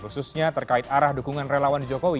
khususnya terkait arah dukungan relawan jokowi